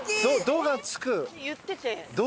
「ド」がつく。